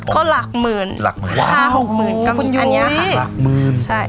ก็หลักหมื่นหลักหมื่นหลักหกหมื่นกับคุณยุ้ยอันนี้ค่ะหลักหมื่นใช่